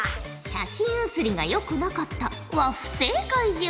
「写真うつりがよくなかった」は不正解じゃ。